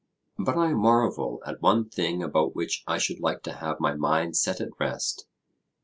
But I marvel at one thing about which I should like to have my mind set at rest.